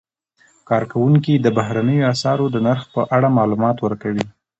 کارکوونکي د بهرنیو اسعارو د نرخ په اړه معلومات ورکوي.